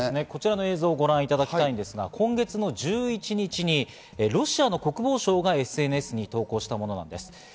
こちらの映像をご覧いただきたいんですが、今月１１日、ロシアの国防省がＳＮＳに投稿したものです。